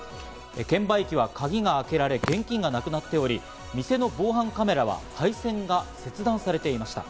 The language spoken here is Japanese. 券売機は鍵が開けられ、現金がなくなっており、店の防犯カメラは配線が切断されていました。